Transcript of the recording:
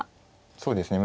そうですね